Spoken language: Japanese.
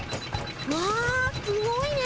わあすごいね。